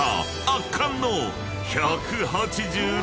［圧巻の１８６ｍ］